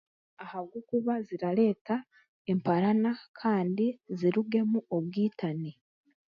Ahabwokuba zirareeta emparana kandi zirugemu obwitane